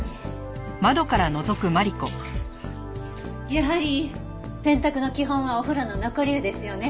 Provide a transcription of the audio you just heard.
やはり洗濯の基本はお風呂の残り湯ですよね。